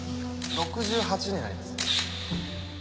６８になります